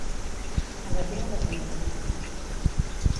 Cada dia patim.